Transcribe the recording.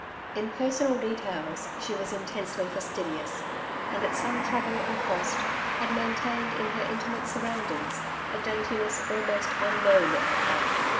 In personal details, she was intensely fastidious, and at some trouble and cost had maintained in her intimate surroundings a daintiness almost unknown out back.